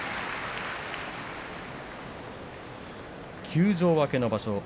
休場明けの場所